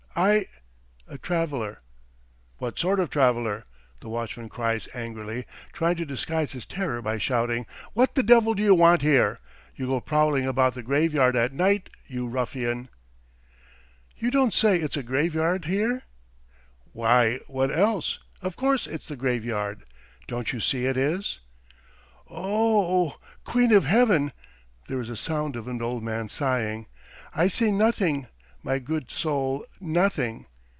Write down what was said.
"I ... a traveller." "What sort of traveller?" the watchman cries angrily, trying to disguise his terror by shouting. "What the devil do you want here? You go prowling about the graveyard at night, you ruffian!" "You don't say it's a graveyard here?" "Why, what else? Of course it's the graveyard! Don't you see it is?" "O o oh ... Queen of Heaven!" there is a sound of an old man sighing. "I see nothing, my good soul, nothing.